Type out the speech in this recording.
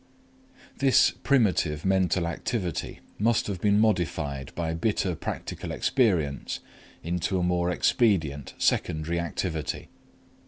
This primitive mental activity must have been modified by bitter practical experience into a more expedient secondary activity.